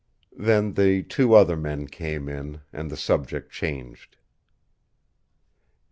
Then the two other men came in, and the subject changed.